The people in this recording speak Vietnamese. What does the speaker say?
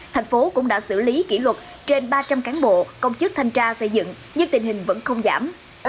thành phố cũng đã xử lý kỷ luật trên ba trăm linh cán bộ công chức thanh tra xây dựng nhưng tình hình vẫn không giảm